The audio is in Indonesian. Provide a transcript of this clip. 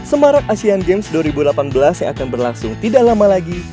semarak asean games dua ribu delapan belas yang akan berlangsung tidak lama lagi